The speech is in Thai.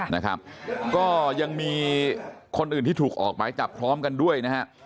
นะครับก็ยังมีคนอื่นที่ถูกออกหมายจับพร้อมกันด้วยนะฮะ